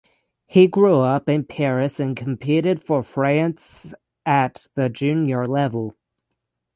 He grew up in Paris and competed for France at the junior level.